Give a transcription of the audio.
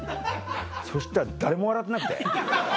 そしたら誰も笑ってなくて。